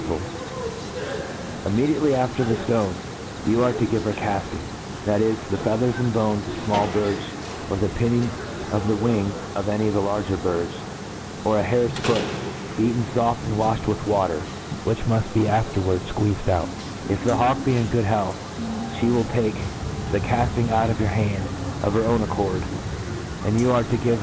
lounccUatdy K tSt A T R E A T 1 S E O r Immediately after the ftones^ you arc to give her cafting ; that is, the feathers and bones of fmall birds, or the pinion of the wing of any of the larger birds, or a hare's foot, beaten foft, and vaihed with water, which muft be after « wards fqaeezed out» If the hawk be in good health, ihe will take the cafting out of your hand of her own accord ; ami you are to give